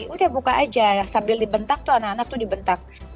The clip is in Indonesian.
udah buka aja sambil dibentak tuh anak anak tuh dibentak